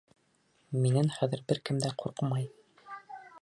Минән хәҙер бер кем дә ҡурҡмай.